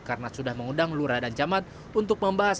karena sudah mengundang lura dan camat untuk membahas